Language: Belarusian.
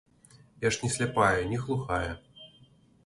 Я ж не сляпая, не глухая.